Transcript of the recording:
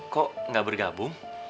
kok gak bergabung